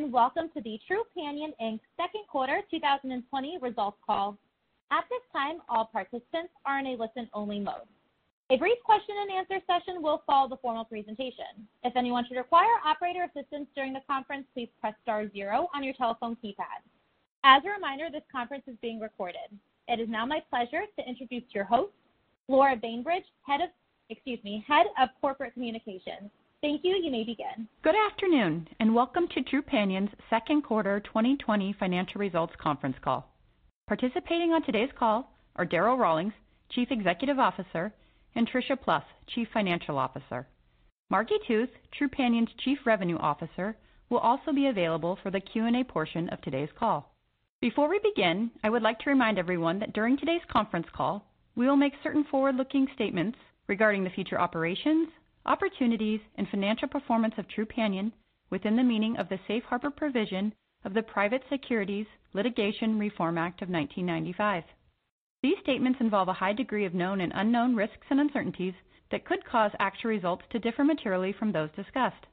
Greetings and welcome to the Trupanion, Inc Second Quarter 2020 Results Call. At this time, all participants are in a listen-only mode. A brief question-and-answer session will follow the formal presentation. If anyone should require operator assistance during the conference, please press star zero on your telephone keypad. As a reminder, this conference is being recorded. It is now my pleasure to introduce your host, Laura Bainbridge, Head of, excuse me, Head of Corporate Communications. Thank you. You may begin. Good afternoon and welcome to Trupanion's Second Quarter 2020 Financial Results Conference Call. Participating on today's call are Darryl Rawlings, Chief Executive Officer, and Tricia Plouffe, Chief Financial Officer. Margi Tooth, Trupanion's Chief Revenue Officer, will also be available for the Q&A portion of today's call. Before we begin, I would like to remind everyone that during today's conference call, we will make certain forward-looking statements regarding the future operations, opportunities, and financial performance of Trupanion within the meaning of the safe harbor provision of the Private Securities Litigation Reform Act of 1995. These statements involve a high degree of known and unknown risks and uncertainties that could cause actual results to differ materially from those discussed.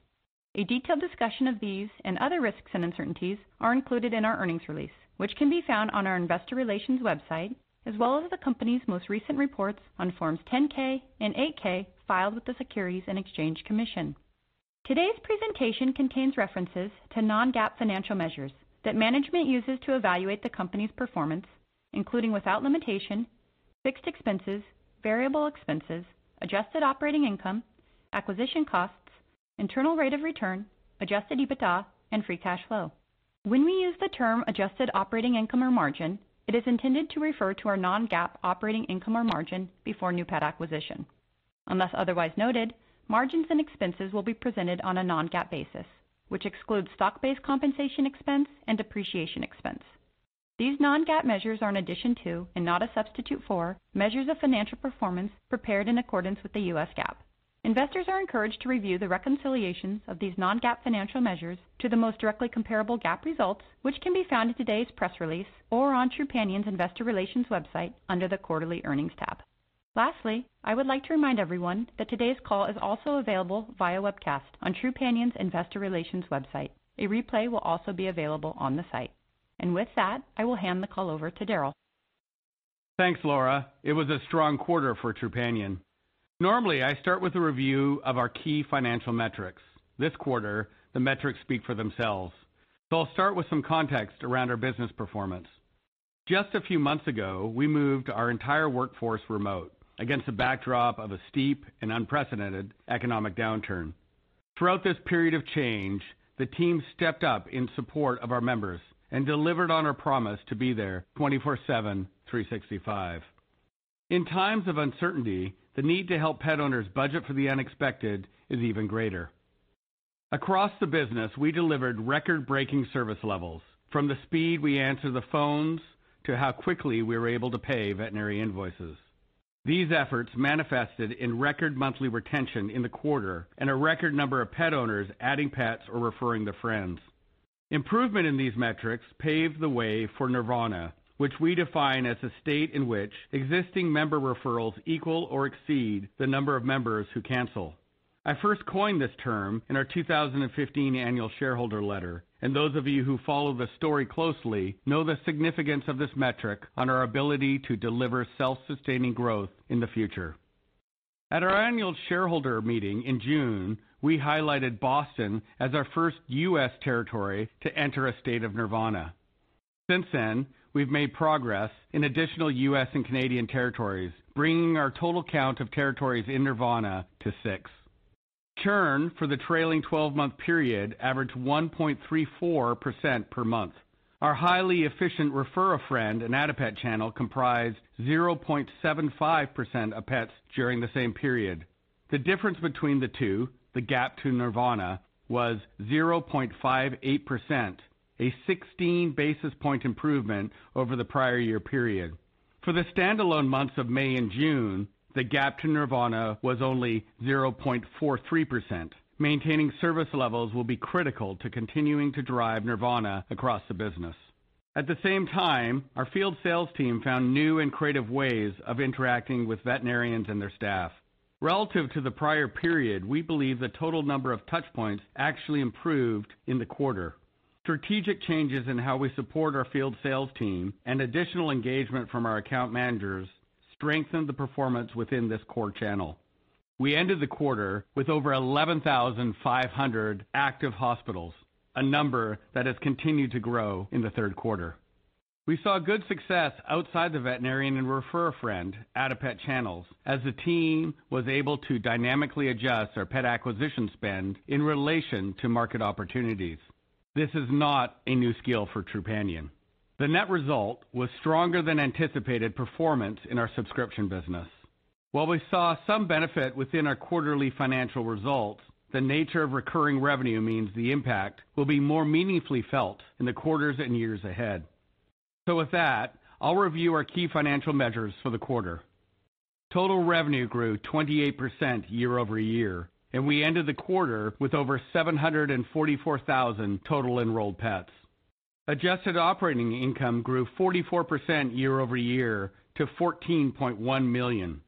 A detailed discussion of these and other risks and uncertainties is included in our earnings release, which can be found on our investor relations website as well as the company's most recent reports on Forms 10-K and 8-K filed with the Securities and Exchange Commission. Today's presentation contains references to non-GAAP financial measures that management uses to evaluate the company's performance, including without limitation, fixed expenses, variable expenses, adjusted operating income, acquisition costs, internal rate of return, adjusted EBITDA, and free cash flow. When we use the term adjusted operating income or margin, it is intended to refer to our non-GAAP operating income or margin before new pet acquisition. Unless otherwise noted, margins and expenses will be presented on a non-GAAP basis, which excludes stock-based compensation expense and depreciation expense. These non-GAAP measures are an addition to, and not a substitute for, measures of financial performance prepared in accordance with the U.S. GAAP. Investors are encouraged to review the reconciliations of these non-GAAP financial measures to the most directly comparable GAAP results, which can be found in today's press release or on Trupanion's Investor Relations website under the Quarterly Earnings tab. Lastly, I would like to remind everyone that today's call is also available via webcast on Trupanion's Investor Relations website. A replay will also be available on the site. And with that, I will hand the call over to Darryl. Thanks, Laura. It was a strong quarter for Trupanion. Normally, I start with a review of our key financial metrics. This quarter, the metrics speak for themselves. So I'll start with some context around our business performance. Just a few months ago, we moved our entire workforce remote against the backdrop of a steep and unprecedented economic downturn. Throughout this period of change, the team stepped up in support of our members and delivered on our promise to be there 24/7, 365. In times of uncertainty, the need to help pet owners budget for the unexpected is even greater. Across the business, we delivered record-breaking service levels, from the speed we answered the phones to how quickly we were able to pay veterinary invoices. These efforts manifested in record monthly retention in the quarter and a record number of pet owners adding pets or referring their friends. Improvement in these metrics paved the way for Nirvana, which we define as a state in which existing member referrals equal or exceed the number of members who cancel. I first coined this term in our 2015 annual shareholder letter, and those of you who follow the story closely know the significance of this metric on our ability to deliver self-sustaining growth in the future. At our Annual Shareholder Meeting in June, we highlighted Boston as our first U.S. territory to enter a state of Nirvana. Since then, we've made progress in additional U.S. and Canadian territories, bringing our total count of territories in Nirvana to six. Churn for the trailing 12-month period averaged 1.34% per month. Our highly efficient Refer a Friend and Add a Pet channel comprised 0.75% of pets during the same period. The difference between the two, the gap to Nirvana, was 0.58%, a 16 basis point improvement over the prior year period. For the standalone months of May and June, the gap to Nirvana was only 0.43%. Maintaining service levels will be critical to continuing to drive Nirvana across the business. At the same time, our field sales team found new and creative ways of interacting with veterinarians and their staff. Relative to the prior period, we believe the total number of touchpoints actually improved in the quarter. Strategic changes in how we support our field sales team and additional engagement from our account managers strengthened the performance within this core channel. We ended the quarter with over 11,500 active hospitals, a number that has continued to grow in the third quarter. We saw good success outside the veterinarian and Refer a Friend, Add a Pet channels as the team was able to dynamically adjust our pet acquisition spend in relation to market opportunities. This is not a new skill for Trupanion. The net result was stronger than anticipated performance in our subscription business. While we saw some benefit within our quarterly financial results, the nature of recurring revenue means the impact will be more meaningfully felt in the quarters and years ahead. So with that, I'll review our key financial measures for the quarter. Total revenue grew 28% year-over-year, and we ended the quarter with over 744,000 total enrolled pets. Adjusted operating income grew 44% year-over-year to $14.1 million,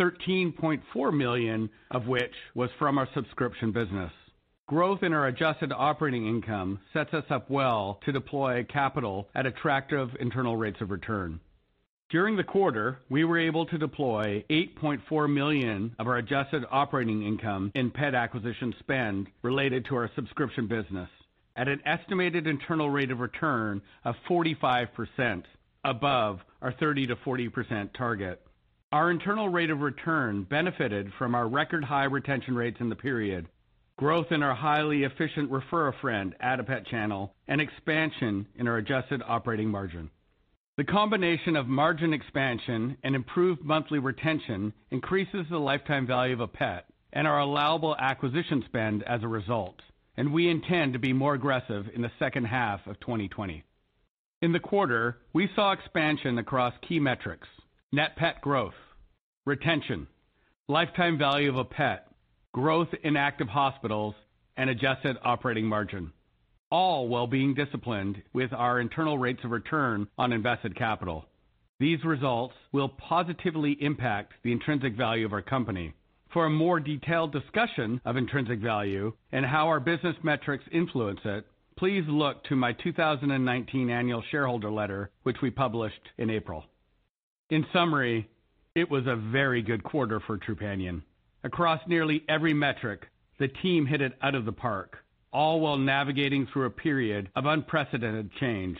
$13.4 million of which was from our subscription business. Growth in our adjusted operating income sets us up well to deploy capital at attractive internal rates of return. During the quarter, we were able to deploy $8.4 million of our adjusted operating income in pet acquisition spend related to our subscription business at an estimated internal rate of return of 45%, above our 30%-40% target. Our internal rate of return benefited from our record high retention rates in the period, growth in our highly efficient Refer a Friend, Add a Pet channel, and expansion in our adjusted operating margin. The combination of margin expansion and improved monthly retention increases the lifetime value of a pet and our allowable acquisition spend as a result, and we intend to be more aggressive in the second half of 2020. In the quarter, we saw expansion across key metrics: net pet growth, retention, lifetime value of a pet, growth in active hospitals, and adjusted operating margin, all while being disciplined with our internal rates of return on invested capital. These results will positively impact the intrinsic value of our company. For a more detailed discussion of intrinsic value and how our business metrics influence it, please look to my 2019 annual shareholder letter, which we published in April. In summary, it was a very good quarter for Trupanion. Across nearly every metric, the team hit it out of the park, all while navigating through a period of unprecedented change.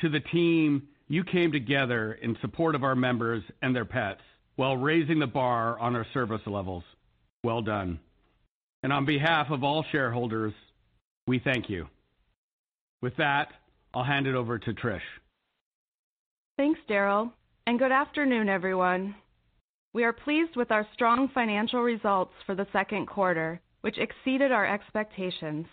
To the team, you came together in support of our members and their pets while raising the bar on our service levels. Well done, and on behalf of all shareholders, we thank you. With that, I'll hand it over to Trish. Thanks, Darryl, and good afternoon, everyone. We are pleased with our strong financial results for the second quarter, which exceeded our expectations.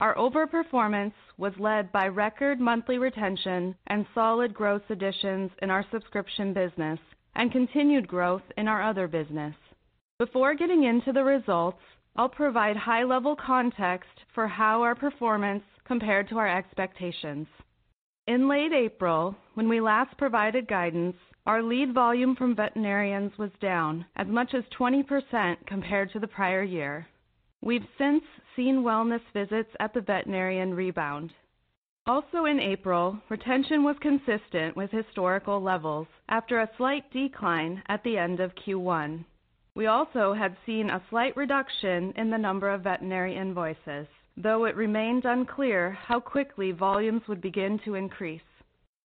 Our overperformance was led by record monthly retention and solid growth additions in our subscription business and continued growth in our other business. Before getting into the results, I'll provide high-level context for how our performance compared to our expectations. In late April, when we last provided guidance, our lead volume from veterinarians was down as much as 20% compared to the prior year. We've since seen wellness visits at the veterinarian rebound. Also in April, retention was consistent with historical levels after a slight decline at the end of Q1. We also had seen a slight reduction in the number of veterinary invoices, though it remained unclear how quickly volumes would begin to increase.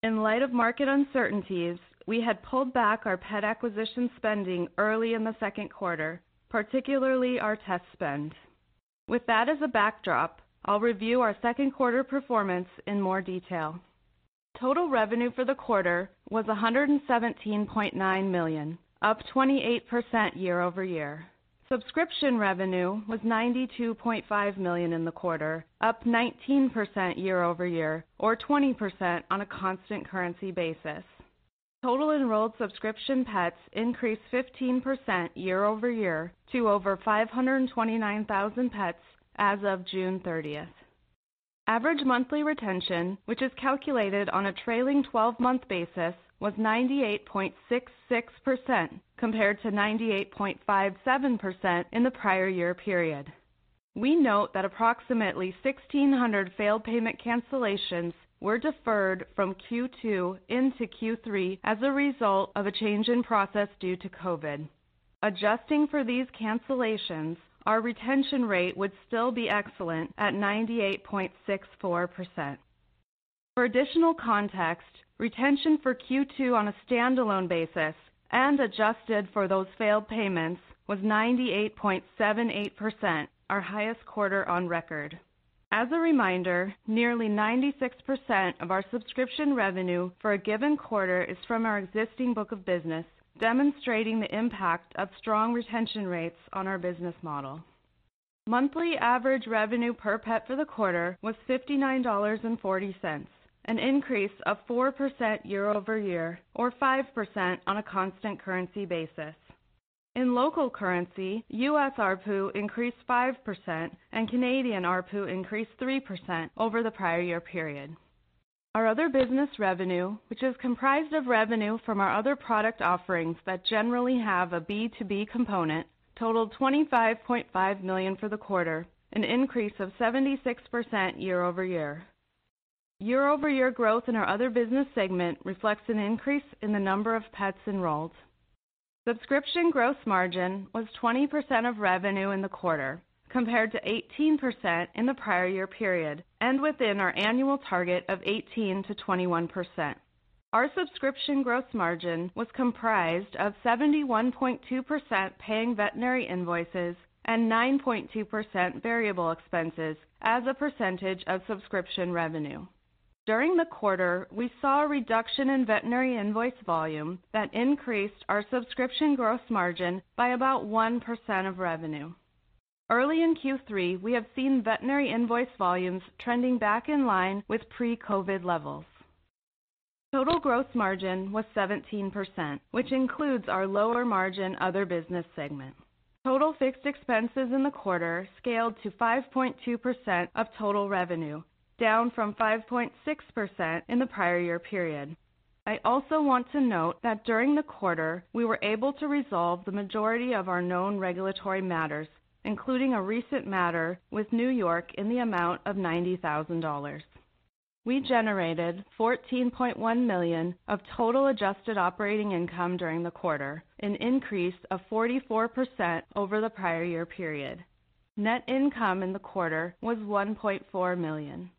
In light of market uncertainties, we had pulled back our pet acquisition spending early in the second quarter, particularly our test spend. With that as a backdrop, I'll review our second quarter performance in more detail. Total revenue for the quarter was $117.9 million, up 28% year-over-year. Subscription revenue was $92.5 million in the quarter, up 19% year-over-year, or 20% on a constant currency basis. Total enrolled subscription pets increased 15% year-over-year to over 529,000 pets as of June 30th. Average monthly retention, which is calculated on a trailing 12-month basis, was 98.66% compared to 98.57% in the prior year period. We note that approximately 1,600 failed payment cancellations were deferred from Q2 into Q3 as a result of a change in process due to COVID. Adjusting for these cancellations, our retention rate would still be excellent at 98.64%. For additional context, retention for Q2 on a standalone basis and adjusted for those failed payments was 98.78%, our highest quarter on record. As a reminder, nearly 96% of our subscription revenue for a given quarter is from our existing book of business, demonstrating the impact of strong retention rates on our business model. Monthly average revenue per pet for the quarter was $59.40, an increase of 4% year-over-year, or 5% on a constant currency basis. In local currency, U.S. ARPU increased 5% and Canadian ARPU increased 3% over the prior year period. Our other business revenue, which is comprised of revenue from our other product offerings that generally have a B2B component, totaled $25.5 million for the quarter, an increase of 76% year-over-year. Year-over-year growth in our other business segment reflects an increase in the number of pets enrolled. Subscription gross margin was 20% of revenue in the quarter, compared to 18% in the prior year period and within our annual target of 18%-21%. Our subscription gross margin was comprised of 71.2% paying veterinary invoices and 9.2% variable expenses as a percentage of subscription revenue. During the quarter, we saw a reduction in veterinary invoice volume that increased our subscription gross margin by about 1% of revenue. Early in Q3, we have seen veterinary invoice volumes trending back in line with pre-COVID levels. Total gross margin was 17%, which includes our lower margin other business segment. Total fixed expenses in the quarter scaled to 5.2% of total revenue, down from 5.6% in the prior year period. I also want to note that during the quarter, we were able to resolve the majority of our known regulatory matters, including a recent matter with New York in the amount of $90,000. We generated $14.1 million of total adjusted operating income during the quarter, an increase of 44% over the prior year period. Net income in the quarter was $1.4 million.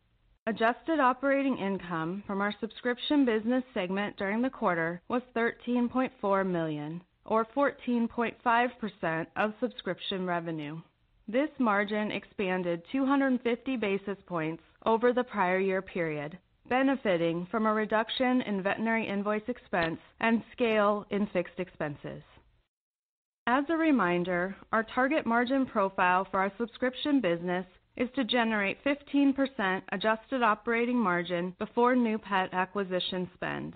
Adjusted operating income from our subscription business segment during the quarter was $13.4 million, or 14.5% of subscription revenue. This margin expanded 250 basis points over the prior year period, benefiting from a reduction in veterinary invoice expense and scale in fixed expenses. As a reminder, our target margin profile for our subscription business is to generate 15% adjusted operating margin before new pet acquisition spend.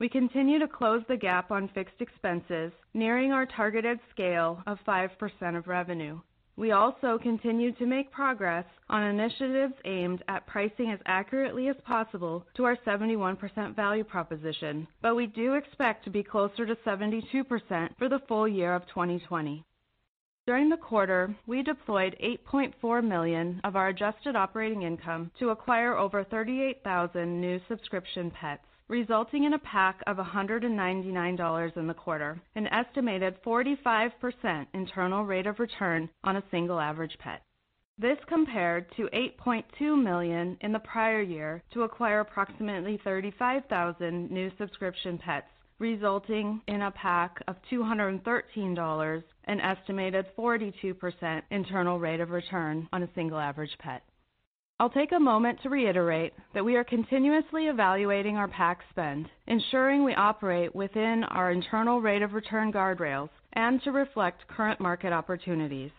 We continue to close the gap on fixed expenses, nearing our targeted scale of 5% of revenue. We also continue to make progress on initiatives aimed at pricing as accurately as possible to our 71% value proposition, but we do expect to be closer to 72% for the full year of 2020. During the quarter, we deployed $8.4 million of our adjusted operating income to acquire over 38,000 new subscription pets, resulting in a PAC of $199 in the quarter, an estimated 45% internal rate of return on a single average pet. This compared to $8.2 million in the prior year to acquire approximately 35,000 new subscription pets, resulting in a PAC of $213, an estimated 42% internal rate of return on a single average pet. I'll take a moment to reiterate that we are continuously evaluating our PAC spend, ensuring we operate within our internal rate of return guardrails and to reflect current market opportunities.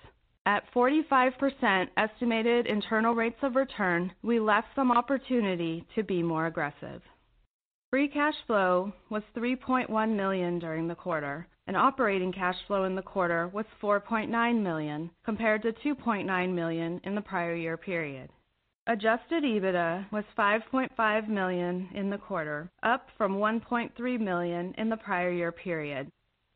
At 45% estimated internal rates of return, we left some opportunity to be more aggressive. Free cash flow was $3.1 million during the quarter, and operating cash flow in the quarter was $4.9 million compared to $2.9 million in the prior year period. Adjusted EBITDA was $5.5 million in the quarter, up from $1.3 million in the prior year period.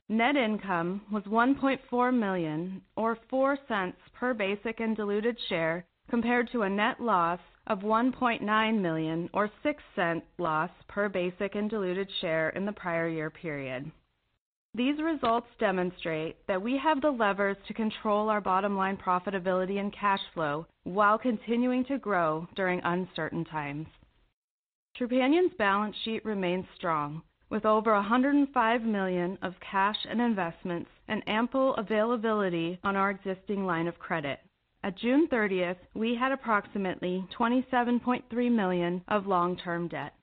Net income was $1.4 million, or $0.04 per basic and diluted share, compared to a net loss of $1.9 million, or $0.06 loss per basic and diluted share in the prior year period. These results demonstrate that we have the levers to control our bottom-line profitability and cash flow while continuing to grow during uncertain times. Trupanion's balance sheet remains strong, with over $105 million of cash and investments and ample availability on our existing line of credit. At June 30th, we had approximately $27.3 million of long-term debt.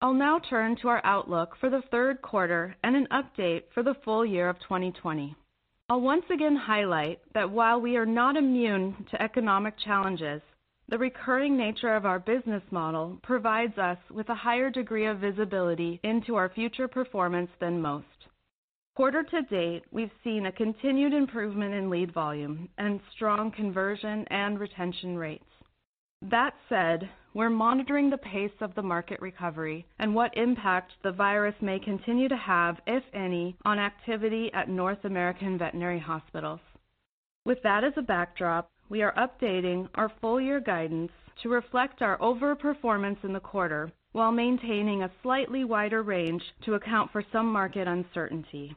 I'll now turn to our outlook for the third quarter and an update for the full year of 2020. I'll once again highlight that while we are not immune to economic challenges, the recurring nature of our business model provides us with a higher degree of visibility into our future performance than most. Quarter to date, we've seen a continued improvement in lead volume and strong conversion and retention rates. That said, we're monitoring the pace of the market recovery and what impact the virus may continue to have, if any, on activity at North American veterinary hospitals. With that as a backdrop, we are updating our full year guidance to reflect our overperformance in the quarter while maintaining a slightly wider range to account for some market uncertainty.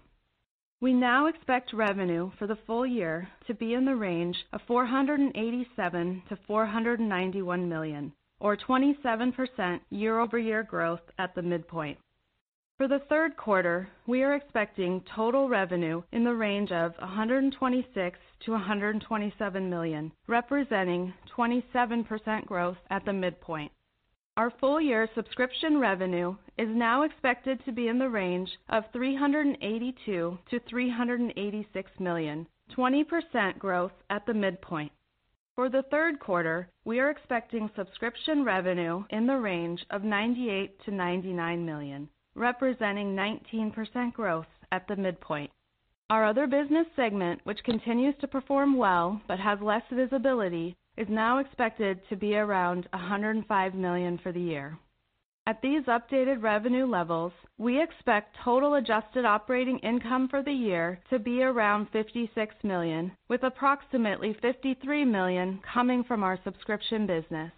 We now expect revenue for the full year to be in the range of $487 million-$491 million, or 27% year-over-year growth at the midpoint. For the third quarter, we are expecting total revenue in the range of $126 million-$127 million, representing 27% growth at the midpoint. Our full year subscription revenue is now expected to be in the range of $382 million-$386 million, 20% growth at the midpoint. For the third quarter, we are expecting subscription revenue in the range of $98 million-$99 million, representing 19% growth at the midpoint. Our other business segment, which continues to perform well but has less visibility, is now expected to be around $105 million for the year. At these updated revenue levels, we expect total adjusted operating income for the year to be around $56 million, with approximately $53 million coming from our subscription business.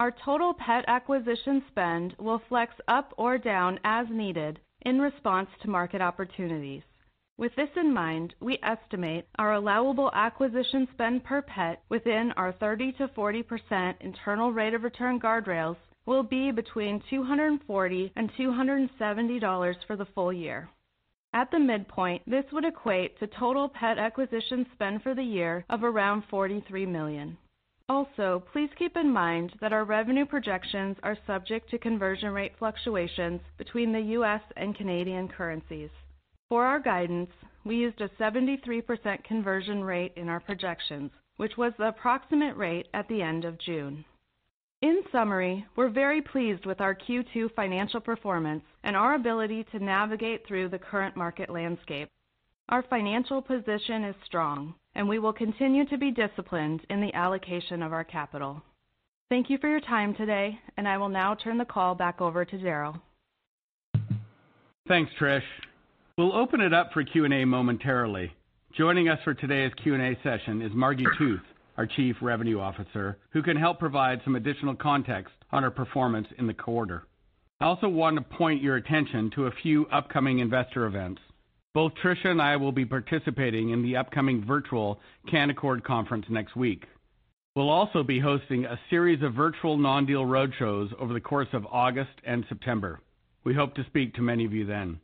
Our total pet acquisition spend will flex up or down as needed in response to market opportunities. With this in mind, we estimate our allowable acquisition spend per pet within our 30%-40% internal rate of return guardrails will be between $240 and $270 for the full year. At the midpoint, this would equate to total pet acquisition spend for the year of around $43 million. Also, please keep in mind that our revenue projections are subject to conversion rate fluctuations between the U.S. and Canadian currencies. For our guidance, we used a 73% conversion rate in our projections, which was the approximate rate at the end of June. In summary, we're very pleased with our Q2 financial performance and our ability to navigate through the current market landscape. Our financial position is strong, and we will continue to be disciplined in the allocation of our capital. Thank you for your time today, and I will now turn the call back over to Darryl. Thanks, Trish. We'll open it up for Q&A momentarily. Joining us for today's Q&A session is Margi Tooth, our Chief Revenue Officer, who can help provide some additional context on our performance in the quarter. I also want to point your attention to a few upcoming investor events. Both Trish and I will be participating in the upcoming virtual Canaccord Conference next week. We'll also be hosting a series of virtual non-deal roadshows over the course of August and September. We hope to speak to many of you then.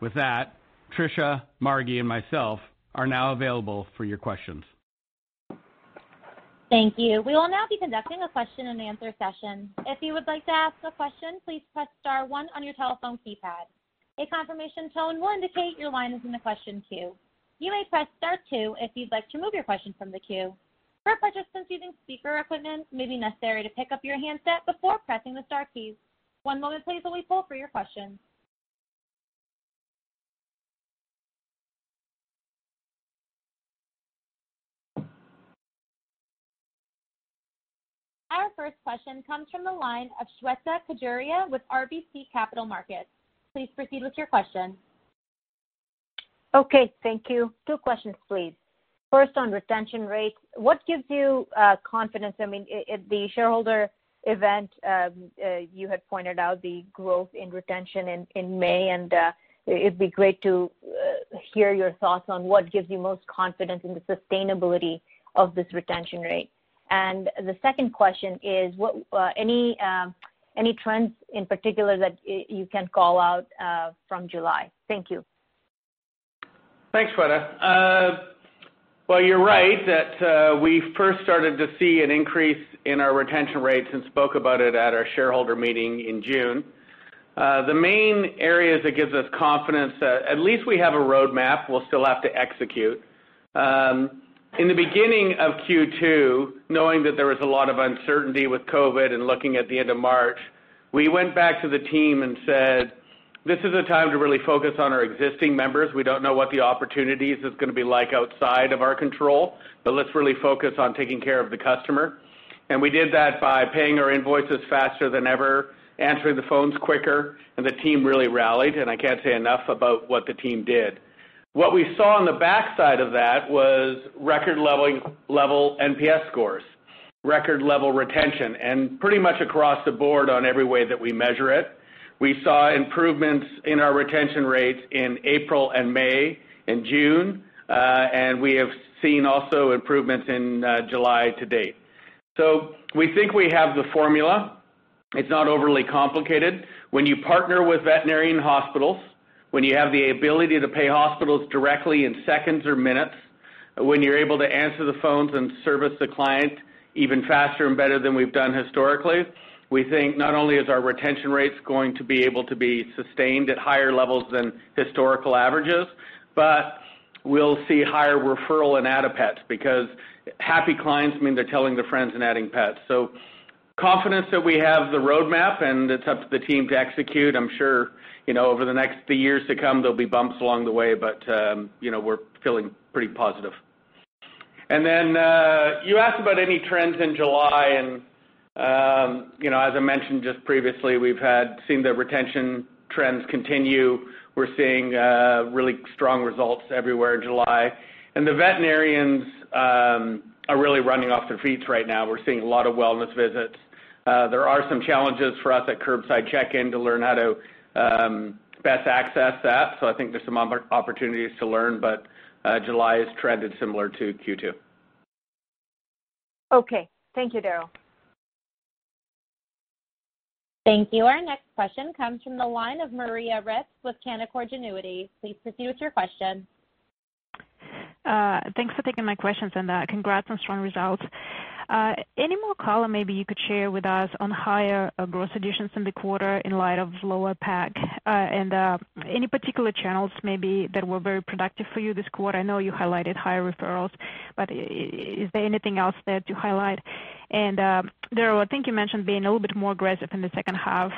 With that, Tricia, Margi, and myself are now available for your questions. Thank you. We will now be conducting a question-and-answer session. If you would like to ask a question, please press star one on your telephone keypad. A confirmation tone will indicate your line is in the question queue. You may press star two if you'd like to move your question from the queue. For participants using speaker equipment, it may be necessary to pick up your handset before pressing the star keys. One moment, please, while we pull for your questions. Our first question comes from the line of Shweta Khajuria with RBC Capital Markets. Please proceed with your question. Okay, thank you. Two questions, please. First, on retention rates, what gives you confidence? I mean, at the shareholder event, you had pointed out the growth in retention in May, and it'd be great to hear your thoughts on what gives you most confidence in the sustainability of this retention rate. And the second question is, any trends in particular that you can call out from July? Thank you. Thanks, Shweta. Well, you're right that we first started to see an increase in our retention rates and spoke about it at our shareholder meeting in June. The main areas that give us confidence, at least we have a roadmap we'll still have to execute. In the beginning of Q2, knowing that there was a lot of uncertainty with COVID and looking at the end of March, we went back to the team and said, "This is a time to really focus on our existing members. We don't know what the opportunities are going to be like outside of our control, but let's really focus on taking care of the customer." And we did that by paying our invoices faster than ever, answering the phones quicker, and the team really rallied, and I can't say enough about what the team did. What we saw on the backside of that was record-level NPS scores, record-level retention, and pretty much across the board on every way that we measure it. We saw improvements in our retention rates in April and May and June, and we have seen also improvements in July to date. So we think we have the formula. It's not overly complicated. When you partner with veterinary hospitals, when you have the ability to pay hospitals directly in seconds or minutes, when you're able to answer the phones and service the client even faster and better than we've done historically, we think not only are our retention rates going to be able to be sustained at higher levels than historical averages, but we'll see higher referral and Add a Pets because happy clients mean they're telling their friends and adding pets. So, confidence that we have the roadmap, and it's up to the team to execute. I'm sure over the next few years to come, there'll be bumps along the way, but we're feeling pretty positive. And then you asked about any trends in July, and as I mentioned just previously, we've seen the retention trends continue. We're seeing really strong results everywhere in July, and the veterinarians are really running off their feet right now. We're seeing a lot of wellness visits. There are some challenges for us at curbside check-in to learn how to best access that, so I think there's some opportunities to learn, but July has trended similar to Q2. Okay. Thank you, Darryl. Thank you. Our next question comes from the line of Maria Ripps with Canaccord Genuity. Please proceed with your question. Thanks for taking my questions and congrats on strong results. Any more color maybe you could share with us on higher gross additions in the quarter in light of lower PAC and any particular channels maybe that were very productive for you this quarter? I know you highlighted higher referrals, but is there anything else there to highlight? And Darryl, I think you mentioned being a little bit more aggressive in the second half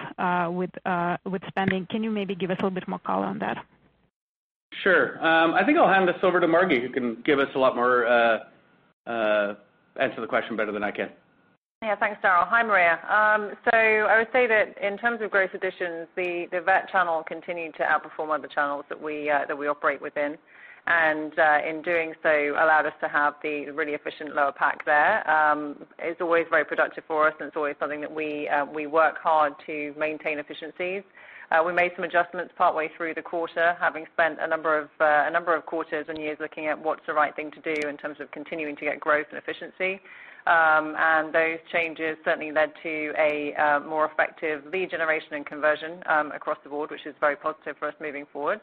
with spending. Can you maybe give us a little bit more color on that? Sure. I think I'll hand this over to Margi, who can give us a lot more answer to the question better than I can. Yeah, thanks, Darryl. Hi, Maria. So I would say that in terms of gross additions, the vet channel continued to outperform other channels that we operate within, and in doing so, allowed us to have the really efficient lower PAC there. It's always very productive for us, and it's always something that we work hard to maintain efficiencies. We made some adjustments partway through the quarter, having spent a number of quarters and years looking at what's the right thing to do in terms of continuing to get growth and efficiency. And those changes certainly led to a more effective lead generation and conversion across the board, which is very positive for us moving forward.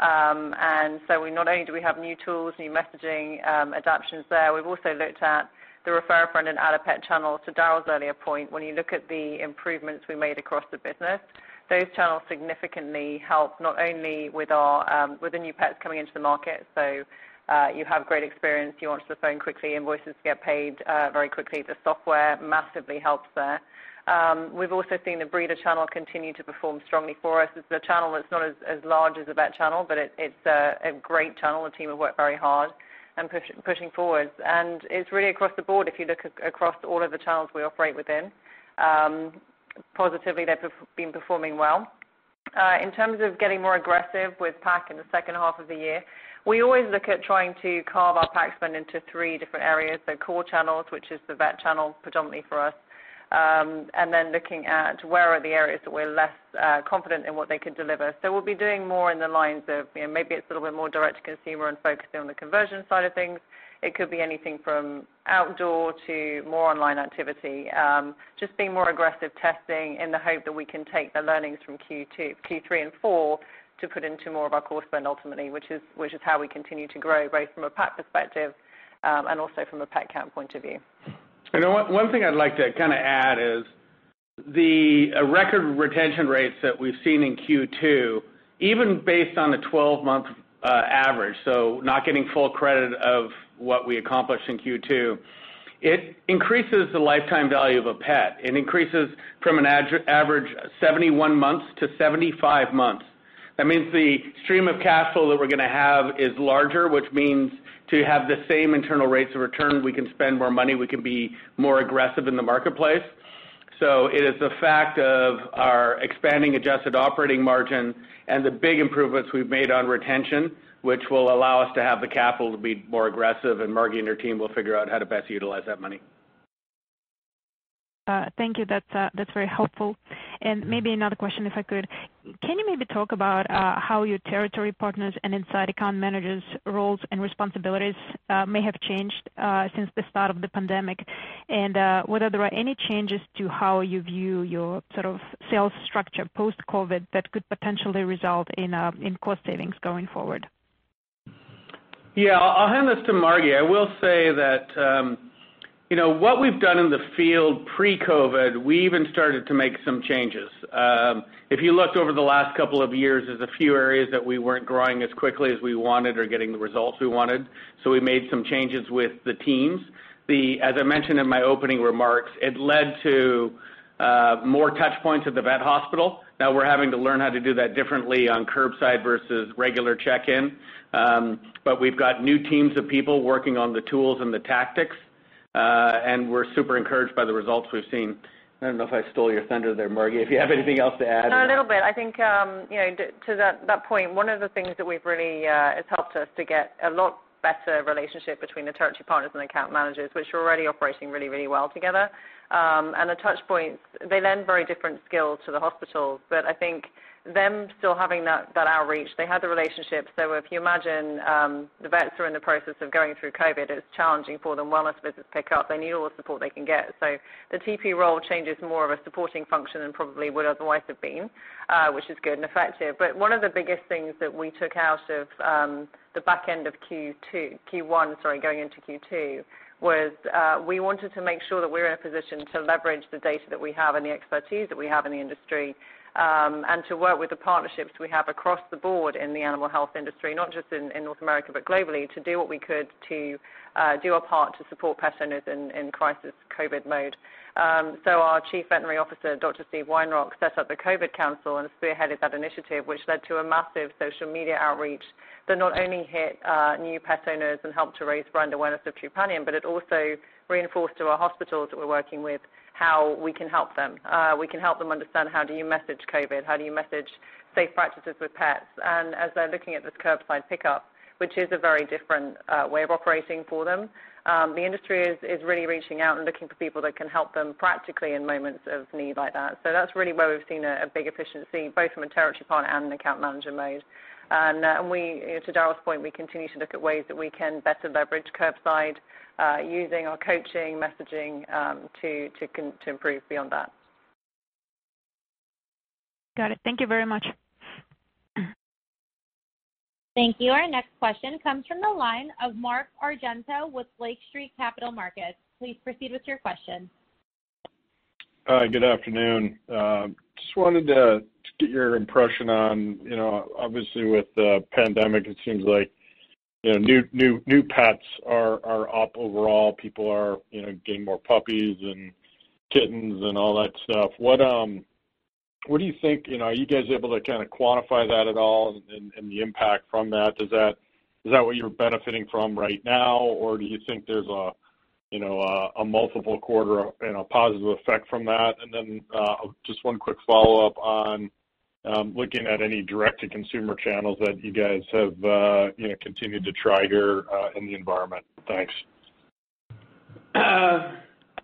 And so not only do we have new tools, new messaging adaptations there, we've also looked at the Refer a Friend and Add a Pet channel. To Darryl's earlier point, when you look at the improvements we made across the business, those channels significantly help not only with the new pets coming into the market, so you have great experience, you answer the phone quickly, invoices get paid very quickly. The software massively helps there. We've also seen the breeder channel continue to perform strongly for us. It's a channel that's not as large as a vet channel, but it's a great channel. The team have worked very hard on pushing forward, and it's really across the board. If you look across all of the channels we operate within, positively, they've been performing well. In terms of getting more aggressive with PAC in the second half of the year, we always look at trying to carve our PAC spend into three different areas. So, core channels, which is the vet channel predominantly for us, and then looking at where are the areas that we're less confident in what they could deliver. So, we'll be doing more in the lines of maybe it's a little bit more direct to consumer and focusing on the conversion side of things. It could be anything from outdoor to more online activity, just being more aggressive testing in the hope that we can take the learnings from Q3 and Q4 to put into more of our core spend ultimately, which is how we continue to grow both from a PAC perspective and also from a pet count point of view. You know what? One thing I'd like to kind of add is the record retention rates that we've seen in Q2, even based on the 12-month average, so not getting full credit of what we accomplished in Q2. It increases the lifetime value of a pet. It increases from an average 71 months to 75 months. That means the stream of cash flow that we're going to have is larger, which means to have the same internal rates of return, we can spend more money. We can be more aggressive in the marketplace. So it is the fact of our expanding adjusted operating margin and the big improvements we've made on retention, which will allow us to have the capital to be more aggressive, and Margi and her team will figure out how to best utilize that money. Thank you. That's very helpful. And maybe another question, if I could. Can you maybe talk about how your territory partners and inside account managers' roles and responsibilities may have changed since the start of the pandemic, and whether there are any changes to how you view your sort of sales structure post-COVID that could potentially result in cost savings going forward? Yeah, I'll hand this to Margi. I will say that what we've done in the field pre-COVID, we even started to make some changes. If you looked over the last couple of years, there's a few areas that we weren't growing as quickly as we wanted or getting the results we wanted, so we made some changes with the teams. As I mentioned in my opening remarks, it led to more touchpoints at the vet hospital. Now we're having to learn how to do that differently on curbside versus regular check-in, but we've got new teams of people working on the tools and the tactics, and we're super encouraged by the results we've seen. I don't know if I stole your thunder there, Margi, if you have anything else to add. A little bit. I think to that point, one of the things that we've really has helped us to get a lot better relationship between the territory partners and the account managers, which are already operating really, really well together. And the touchpoints, they lend very different skills to the hospitals, but I think them still having that outreach, they had the relationship. So if you imagine the vets are in the process of going through COVID, it's challenging for the wellness business to pick up. They need all the support they can get. So the TP role changes more of a supporting function than probably would otherwise have been, which is good and effective. But one of the biggest things that we took out of the back end of Q1, sorry, going into Q2, was we wanted to make sure that we were in a position to leverage the data that we have and the expertise that we have in the industry and to work with the partnerships we have across the board in the animal health industry, not just in North America but globally, to do what we could to do our part to support pet owners in crisis COVID mode. So our Chief Veterinary Officer, Dr. Steve Weinrauch, set up the COVID Council and spearheaded that initiative, which led to a massive social media outreach that not only hit new pet owners and helped to raise brand awareness of Trupanion, but it also reinforced to our hospitals that we're working with how we can help them. We can help them understand how do you message COVID, how do you message safe practices with pets, and as they're looking at this curbside pickup, which is a very different way of operating for them, the industry is really reaching out and looking for people that can help them practically in moments of need like that, so that's really where we've seen a big efficiency, both from a territory partner and an account manager mode, and to Darryl's point, we continue to look at ways that we can better leverage curbside using our coaching, messaging to improve beyond that. Got it. Thank you very much. Thank you. Our next question comes from the line of Mark Argento with Lake Street Capital Markets. Please proceed with your question. Hi, good afternoon. Just wanted to get your impression on, obviously, with the pandemic, it seems like new pets are up overall. People are getting more puppies and kittens and all that stuff. What do you think? Are you guys able to kind of quantify that at all and the impact from that? Is that what you're benefiting from right now, or do you think there's a multiple quarter positive effect from that? And then just one quick follow-up on looking at any direct-to-consumer channels that you guys have continued to try here in the environment. Thanks.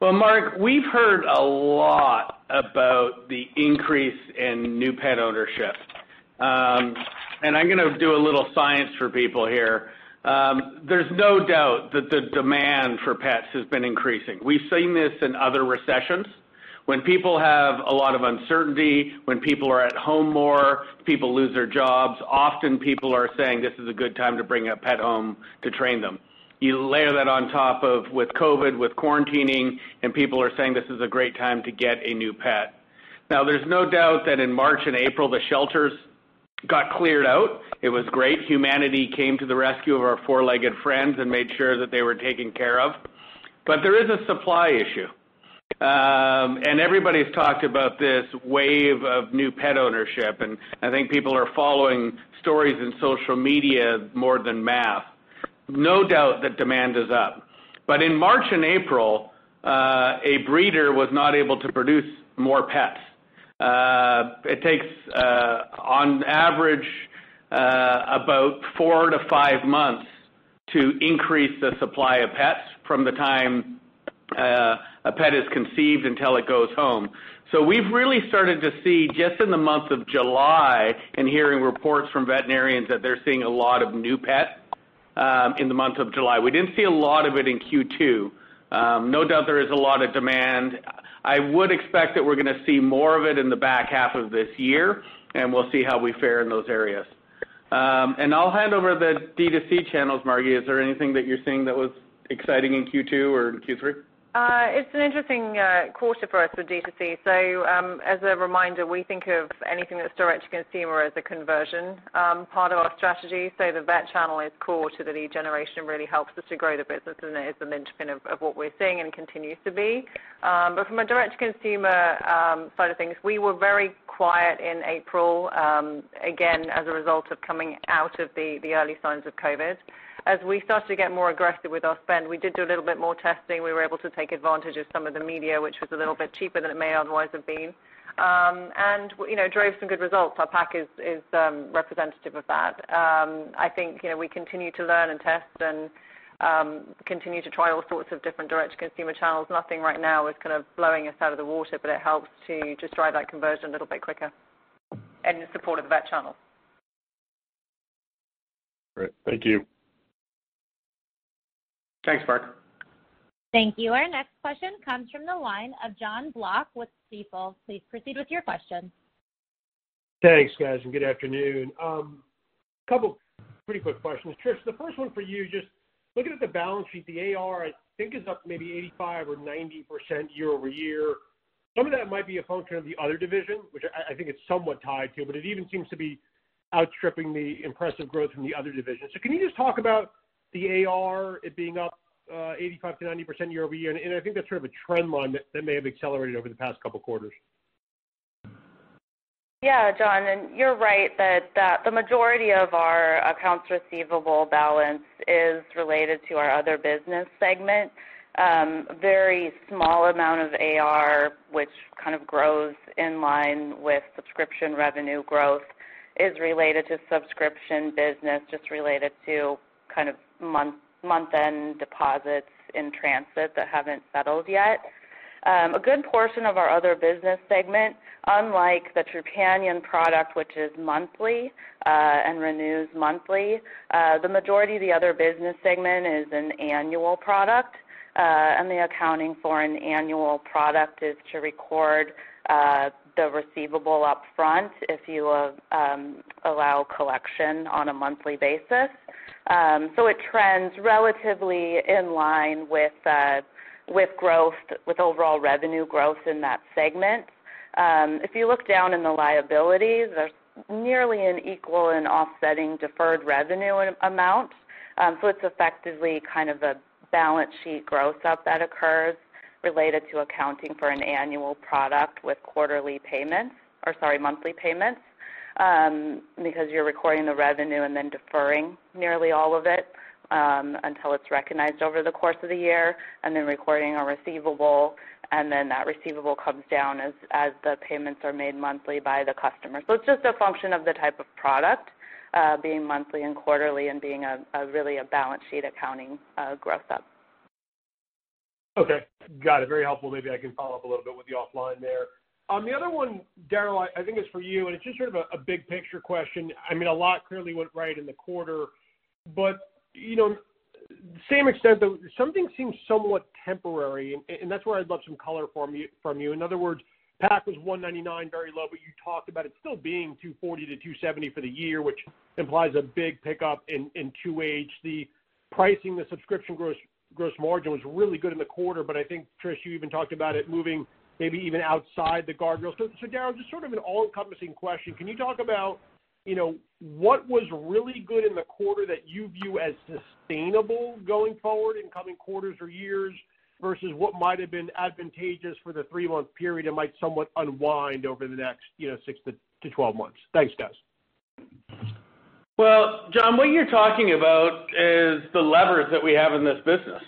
Mark, we've heard a lot about the increase in new pet ownership, and I'm going to do a little science for people here. There's no doubt that the demand for pets has been increasing. We've seen this in other recessions. When people have a lot of uncertainty, when people are at home more, people lose their jobs. Often, people are saying, "This is a good time to bring a pet home to train them." You layer that on top of with COVID, with quarantining, and people are saying, "This is a great time to get a new pet." Now, there's no doubt that in March and April, the shelters got cleared out. It was great. Humanity came to the rescue of our four-legged friends and made sure that they were taken care of. But there is a supply issue, and everybody's talked about this wave of new pet ownership, and I think people are following stories in social media more than math. No doubt that demand is up. But in March and April, a breeder was not able to produce more pets. It takes, on average, about four to five months to increase the supply of pets from the time a pet is conceived until it goes home. So we've really started to see just in the month of July and hearing reports from veterinarians that they're seeing a lot of new pets in the month of July. We didn't see a lot of it in Q2. No doubt there is a lot of demand. I would expect that we're going to see more of it in the back half of this year, and we'll see how we fare in those areas. And I'll hand over the D2C channels, Margi. Is there anything that you're seeing that was exciting in Q2 or in Q3? It's an interesting quarter for us with D2C. So as a reminder, we think of anything that's direct-to-consumer as a conversion part of our strategy. So the vet channel is core to the lead generation and really helps us to grow the business, and it is the linchpin of what we're seeing and continues to be. But from a direct-to-consumer side of things, we were very quiet in April, again, as a result of coming out of the early signs of COVID. As we started to get more aggressive with our spend, we did do a little bit more testing. We were able to take advantage of some of the media, which was a little bit cheaper than it may otherwise have been, and drove some good results. Our PAC is representative of that. I think we continue to learn and test and continue to try all sorts of different direct-to-consumer channels. Nothing right now is kind of blowing us out of the water, but it helps to just drive that conversion a little bit quicker and in support of the vet channel. Great. Thank you. Thanks, Mark. Thank you. Our next question comes from the line of Jon Block with Stifel. Please proceed with your question. Thanks, guys, and good afternoon. A couple of pretty quick questions. Trish, the first one for you, just looking at the balance sheet, the AR, I think is up maybe 85% or 90% year-over-year. Some of that might be a function of the other division, which I think it's somewhat tied to, but it even seems to be outstripping the impressive growth from the other division. So can you just talk about the AR, it being up 85%-90% year-over-year? And I think that's sort of a trend line that may have accelerated over the past couple of quarters. Yeah, Jon, and you're right that the majority of our accounts receivable balance is related to our other business segment. A very small amount of AR, which kind of grows in line with subscription revenue growth, is related to subscription business, just related to kind of month-end deposits in transit that haven't settled yet. A good portion of our other business segment, unlike the Trupanion product, which is monthly and renews monthly, the majority of the other business segment is an annual product, and the accounting for an annual product is to record the receivable upfront if you allow collection on a monthly basis. So it trends relatively in line with growth, with overall revenue growth in that segment. If you look down in the liabilities, there's nearly an equal and offsetting deferred revenue amount. So it's effectively kind of a balance sheet growth up that occurs related to accounting for an annual product with quarterly payments or, sorry, monthly payments because you're recording the revenue and then deferring nearly all of it until it's recognized over the course of the year and then recording a receivable, and then that receivable comes down as the payments are made monthly by the customer, so it's just a function of the type of product being monthly and quarterly and being really a balance sheet accounting gross up. Okay. Got it. Very helpful. Maybe I can follow up a little bit with you offline there. The other one, Darryl, I think is for you, and it's just sort of a big picture question. I mean, a lot clearly went right in the quarter, but to the same extent, something seems somewhat temporary, and that's where I'd love some color from you. In other words, PAC was $199, very low, but you talked about it still being $240-$270 for the year, which implies a big pickup in 2H. The pricing, the subscription gross margin was really good in the quarter, but I think, Trish, you even talked about it moving maybe even outside the guardrails. So, Darryl, just sort of an all-encompassing question. Can you talk about what was really good in the quarter that you view as sustainable going forward in coming quarters or years versus what might have been advantageous for the three-month period and might somewhat unwind over the next 6 to 12 months? Thanks, guys. John, what you're talking about is the levers that we have in this business.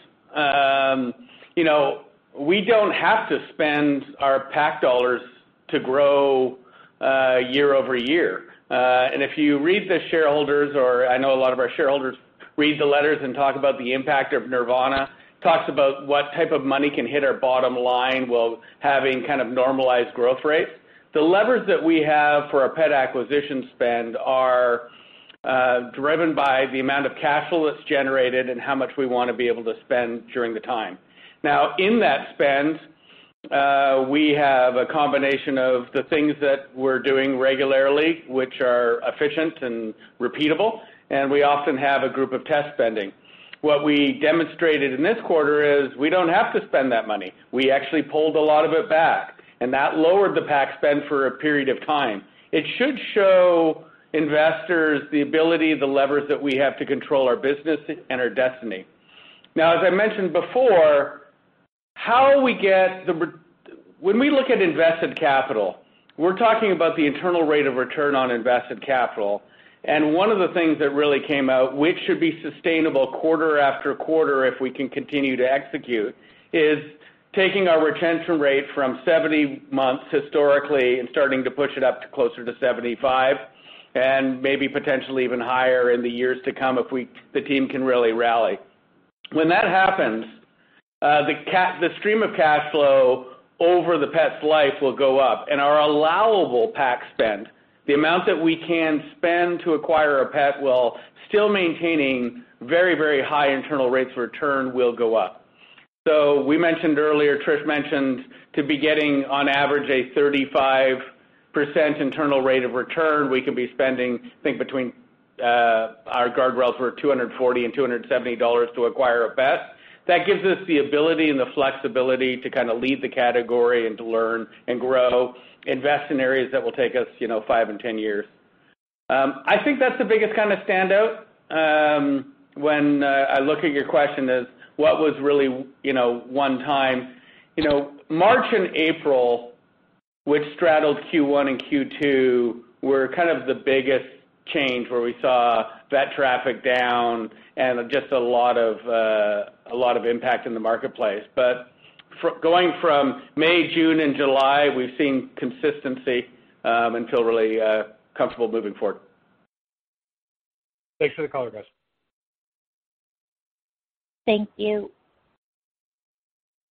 We don't have to spend our PAC dollars to grow year-over-year. And if you read the shareholders, or I know a lot of our shareholders read the letters and talk about the impact of Nirvana, talks about what type of money can hit our bottom line while having kind of normalized growth rates, the levers that we have for our pet acquisition spend are driven by the amount of cash flow that's generated and how much we want to be able to spend during the time. Now, in that spend, we have a combination of the things that we're doing regularly, which are efficient and repeatable, and we often have a group of test spending. What we demonstrated in this quarter is we don't have to spend that money. We actually pulled a lot of it back, and that lowered the PAC spend for a period of time. It should show investors the ability, the levers that we have to control our business and our destiny. Now, as I mentioned before, how we get the when we look at invested capital, we're talking about the internal rate of return on invested capital, and one of the things that really came out, which should be sustainable quarter after quarter if we can continue to execute, is taking our retention rate from 70 months historically and starting to push it up to closer to 75 and maybe potentially even higher in the years to come if the team can really rally. When that happens, the stream of cash flow over the pet's life will go up, and our allowable PAC spend, the amount that we can spend to acquire a pet while still maintaining very, very high internal rates of return, will go up. So we mentioned earlier, Trish mentioned, to be getting on average a 35% internal rate of return, we could be spending, I think, between our guardrails were $240 and $270 to acquire a pet. That gives us the ability and the flexibility to kind of lead the category and to learn and grow, invest in areas that will take us 5 and 10 years. I think that's the biggest kind of standout when I look at your question is what was really one time. March and April, which straddled Q1 and Q2, were kind of the biggest change where we saw vet traffic down and just a lot of impact in the marketplace. But going from May, June, and July, we've seen consistency and feel really comfortable moving forward. Thanks for the color, guys. Thank you.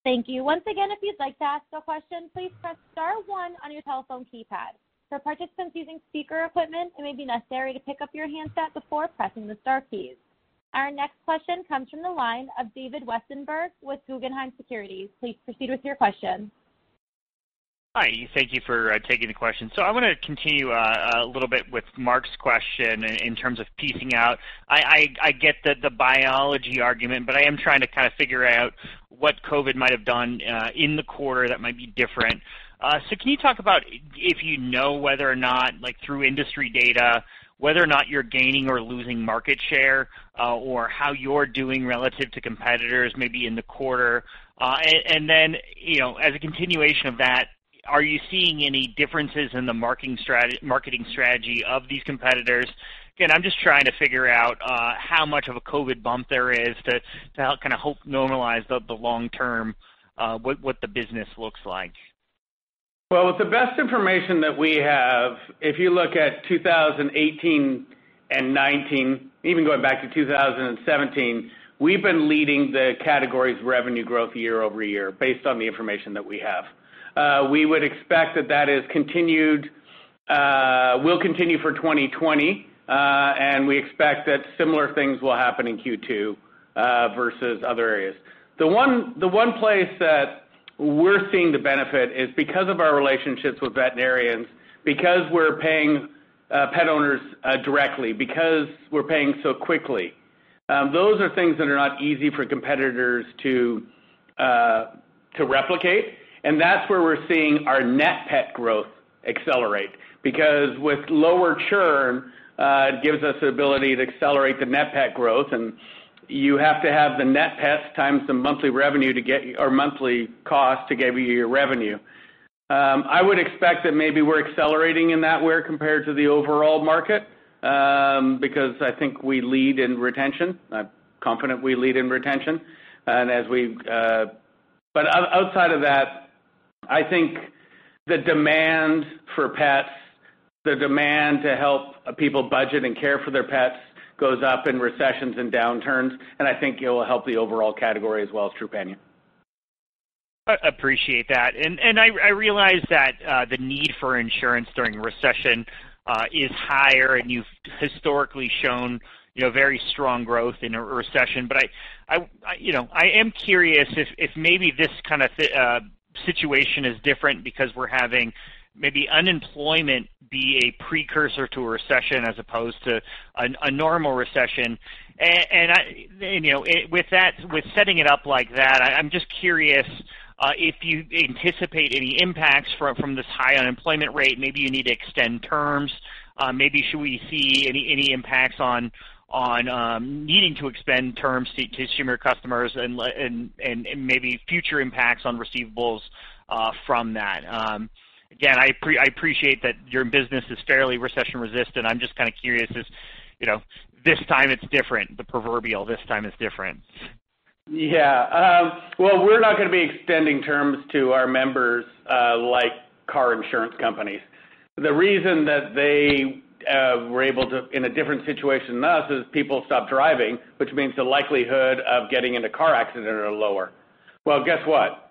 Thank you. Once again, if you'd like to ask a question, please press star one on your telephone keypad. For participants using speaker equipment, it may be necessary to pick up your handset before pressing the star keys. Our next question comes from the line of David Westenberg with Guggenheim Securities. Please proceed with your question. Hi. Thank you for taking the question. So I want to continue a little bit with Mark's question in terms of piecing out. I get the biology argument, but I am trying to kind of figure out what COVID might have done in the quarter that might be different. So can you talk about if you know whether or not, through industry data, whether or not you're gaining or losing market share or how you're doing relative to competitors maybe in the quarter? And then, as a continuation of that, are you seeing any differences in the marketing strategy of these competitors? Again, I'm just trying to figure out how much of a COVID bump there is to kind of help normalize the long term what the business looks like. With the best information that we have, if you look at 2018 and 2019, even going back to 2017, we've been leading the categories revenue growth year-over-year based on the information that we have. We would expect that that has continued. We'll continue for 2020, and we expect that similar things will happen in Q2 versus other areas. The one place that we're seeing the benefit is because of our relationships with veterinarians, because we're paying pet owners directly, because we're paying so quickly. Those are things that are not easy for competitors to replicate, and that's where we're seeing our net pet growth accelerate because with lower churn, it gives us the ability to accelerate the net pet growth, and you have to have the net pets times the monthly revenue to get or monthly cost to give you your revenue. I would expect that maybe we're accelerating in that way compared to the overall market because I think we lead in retention. I'm confident we lead in retention. But outside of that, I think the demand for pets, the demand to help people budget and care for their pets goes up in recessions and downturns, and I think it will help the overall category as well as Trupanion. I appreciate that and I realize that the need for insurance during recession is higher, and you've historically shown very strong growth in a recession. But I am curious if maybe this kind of situation is different because we're having maybe unemployment be a precursor to a recession as opposed to a normal recession. With setting it up like that, I'm just curious if you anticipate any impacts from this high unemployment rate. Maybe you need to extend terms. Maybe should we see any impacts on needing to extend terms to consumer customers and maybe future impacts on receivables from that? Again, I appreciate that your business is fairly recession resistant. I'm just kind of curious if this time it's different, the proverbial this time it's different. Yeah. Well, we're not going to be extending terms to our members like car insurance companies. The reason that they were able to in a different situation than us is people stopped driving, which means the likelihood of getting into car accidents are lower. Well, guess what?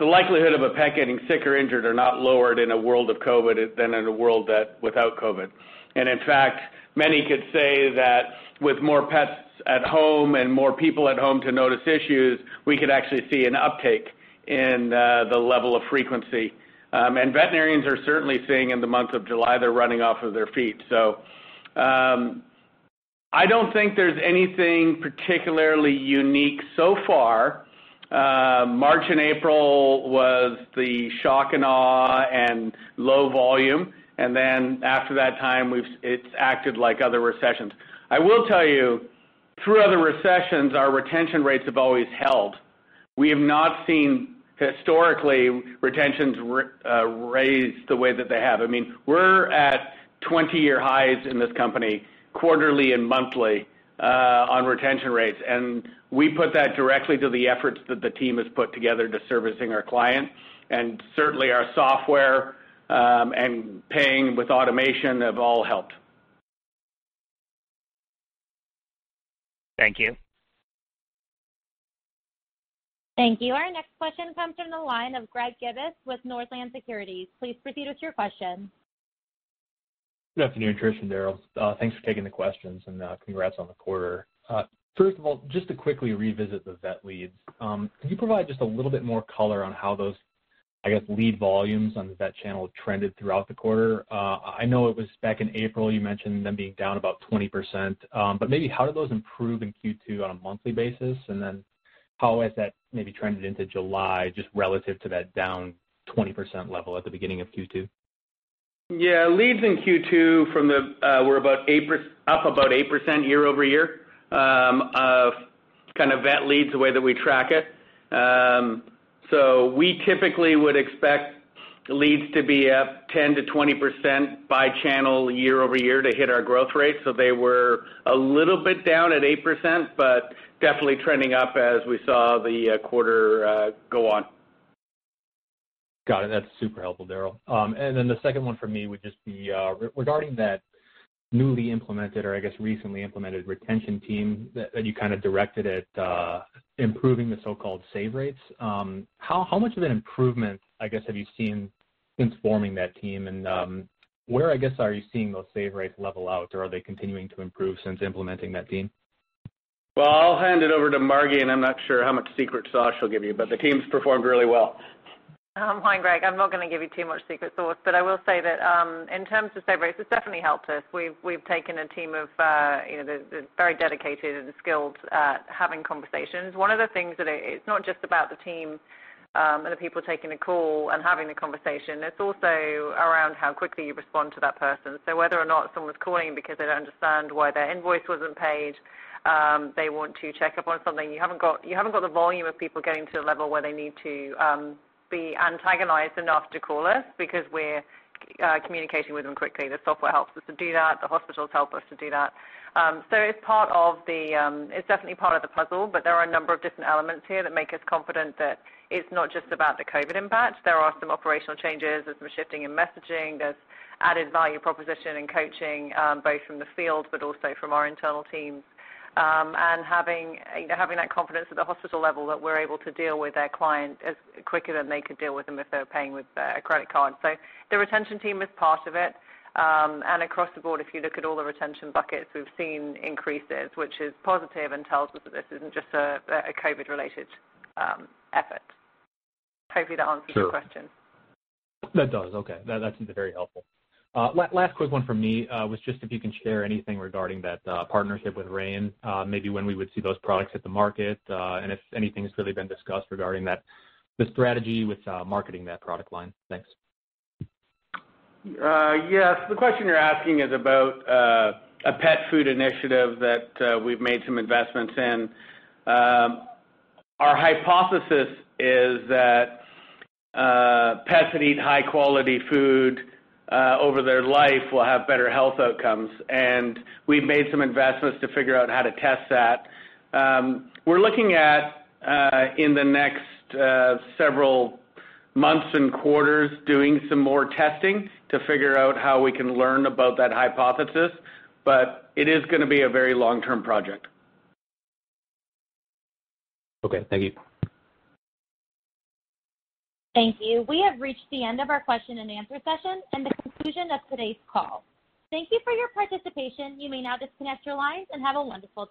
The likelihood of a pet getting sick or injured are not lowered in a world of COVID than in a world without COVID. And in fact, many could say that with more pets at home and more people at home to notice issues, we could actually see an uptake in the level of frequency. And veterinarians are certainly seeing in the month of July they're running off of their feet. So I don't think there's anything particularly unique so far. March and April was the shock and awe and low volume. And then after that time, it's acted like other recessions. I will tell you, through other recessions, our retention rates have always held. We have not seen historically retention rates rise the way that they have. I mean, we're at 20-year highs in this company, quarterly and monthly on retention rates. We attribute that directly to the efforts that the team has put together to servicing our clients. Certainly, our software and paying with automation have all helped. Thank you. Thank you. Our next question comes from the line of Greg Gibas with Northland Securities. Please proceed with your question. Good afternoon, Trish and Darryl. Thanks for taking the questions, and congrats on the quarter. First of all, just to quickly revisit the vet leads, can you provide just a little bit more color on how those, I guess, lead volumes on the vet channel trended throughout the quarter? I know it was back in April you mentioned them being down about 20%, but maybe how did those improve in Q2 on a monthly basis? And then how has that maybe trended into July just relative to that down 20% level at the beginning of Q2? Yeah. Leads in Q2 were up about 8% year-over-year of kind, of vet leads the way that we track it. So we typically would expect leads to be up 10%-20% by channel year-over-year to hit our growth rate. So they were a little bit down at 8% but definitely trending up as we saw the quarter go on. Got it. That's super helpful, Darryl. And then the second one for me would just be regarding that newly implemented or, I guess, recently implemented retention team that you kind of directed at improving the so-called save rates. How much of an improvement, I guess, have you seen since forming that team? And where, I guess, are you seeing those save rates level out, or are they continuing to improve since implementing that team? I'll hand it over to Margi, and I'm not sure how much secret sauce she'll give you, but the team's performed really well. Hi, Greg. I'm not going to give you too much secret sauce, but I will say that in terms of save rates, it's definitely helped us. We've taken a team of very dedicated and skilled at having conversations. One of the things that it's not just about the team and the people taking the call and having the conversation. It's also around how quickly you respond to that person. So whether or not someone's calling because they don't understand why their invoice wasn't paid, they want to check up on something. You haven't got the volume of people getting to the level where they need to be antagonized enough to call us because we're communicating with them quickly. The software helps us to do that. The hospitals help us to do that. So it's definitely part of the puzzle, but there are a number of different elements here that make us confident that it's not just about the COVID impact. There are some operational changes. There's some shifting in messaging. There's added value proposition and coaching both from the field but also from our internal teams. And having that confidence at the hospital level that we're able to deal with their client as quickly than they could deal with them if they were paying with a credit card. So the retention team is part of it. And across the board, if you look at all the retention buckets, we've seen increases, which is positive and tells us that this isn't just a COVID-related effort. Hopefully, that answers your question. That does. Okay. That seems very helpful. Last quick one from me was just if you can share anything regarding that partnership with Rayne, maybe when we would see those products hit the market and if anything has really been discussed regarding the strategy with marketing that product line. Thanks. Yes. The question you're asking is about a pet food initiative that we've made some investments in. Our hypothesis is that pets that eat high-quality food over their life will have better health outcomes. And we've made some investments to figure out how to test that. We're looking at, in the next several months and quarters, doing some more testing to figure out how we can learn about that hypothesis. But it is going to be a very long-term project. Okay. Thank you. Thank you. We have reached the end of our question-and-answer session and the conclusion of today's call. Thank you for your participation. You may now disconnect your lines and have a wonderful day.